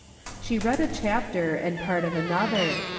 She read a chapter and part of another.